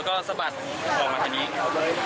ก็สะบัดออกมาทีนี้